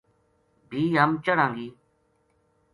بھی ہم چڑھاں گی